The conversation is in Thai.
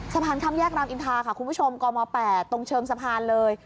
สะพานข้ามแยกรามอินทาค่ะคุณผู้ชมกม๘ตรงเชิงสะพานเลย